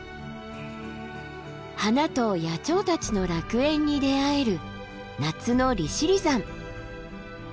花と野鳥たちの楽園に出会える夏の利尻山。